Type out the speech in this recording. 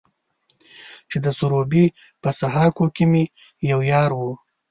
چې د سروبي په سهاکو کې مې يو يار و.